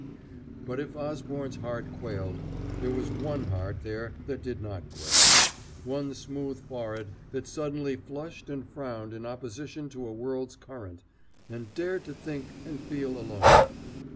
But if Osborne's heart quailed, there was one heart there that did not quail, one smooth forehead that suddenly flushed and frowned in opposition to a world's current, and dared to think and feel alone.